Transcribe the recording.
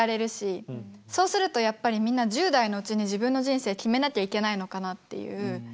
そうするとやっぱりみんな１０代のうちに自分の人生決めなきゃいけないのかなっていう。